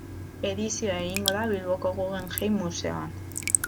Edizioa egingo da Bilboko Guggenheim museoan.